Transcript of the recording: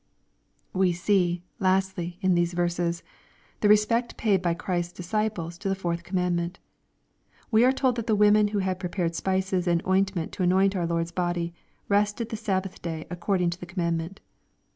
We see, lastly, in these verses, the respect paid hy Christ's disciples to the fourth commandmeivt. We are told that the women who had prepared spices and oint ment to anoint our Lord's body, "rested the Sabbath Day, according to the commandment.'